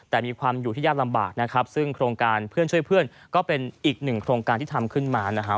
แต่มีความอยู่ที่ยากลำบากนะครับซึ่งโครงการเพื่อนช่วยเพื่อนก็เป็นอีกหนึ่งโครงการที่ทำขึ้นมานะฮะ